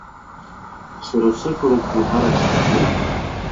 Сара сықәра абжеиҳарак сфахьеит.